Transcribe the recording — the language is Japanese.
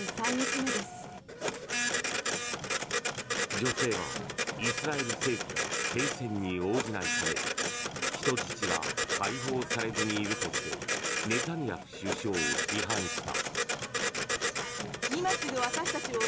女性は、イスラエル政府が停戦に応じないため人質が解放されずにいるとしてネタニヤフ首相を批判した。